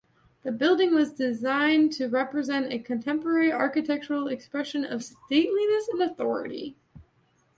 The building was designed to represent a contemporary architectural expression of stateliness and authority.